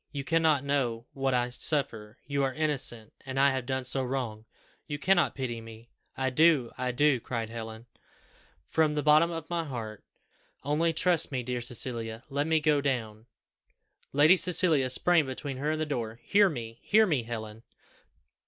You cannot know what I suffer you are innocent and I have done so wrong! You cannot pity me." "I do, I do," cried Helen, "from the bottom of my heart. Only trust me, dear Cecilia; let me go down " Lady Cecilia sprang between her and the door. "Hear Me! hear me, Helen!